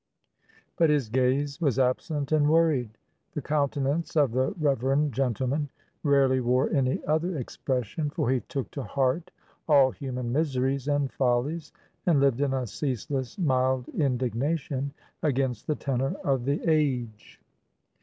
But his gaze was absent and worried. The countenance of the reverend gentleman rarely wore any other expression, for he took to heart all human miseries and follies, and lived in a ceaseless mild indignation against the tenor of the age.